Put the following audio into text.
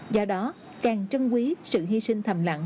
do đó càng chân quý sự hy sinh thầm lặng